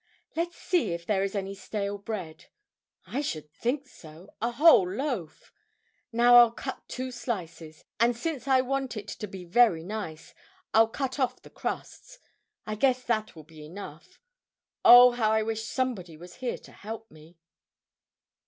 "Let's see if there is any stale bread. I should think so! a whole loaf! Now, I'll cut two slices, and since I want it to be very nice, I'll cut off the crusts. I guess that will be enough; oh, how I wish somebody was here to help me."